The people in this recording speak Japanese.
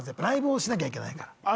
ライブをしなきゃいけないから。